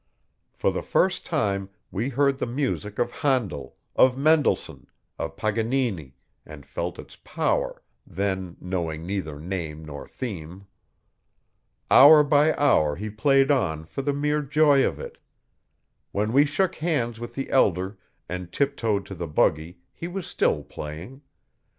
For the first time we heard the music of Handel, of Mendelssohn, of Paganini, and felt its power, then knowing neither name nor theme. Hour by hour he played on for the mere joy of it. When we shook hands with the elder and tiptoed to the buggy he was still playing.